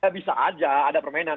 bisa aja ada permainan